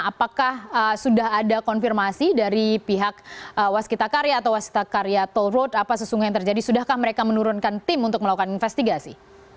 apakah sudah ada konfirmasi dari pihak waskita karya atau wasita karya toll road apa sesungguhnya yang terjadi sudahkah mereka menurunkan tim untuk melakukan investigasi